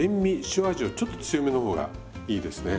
塩味をちょっと強めの方がいいですね。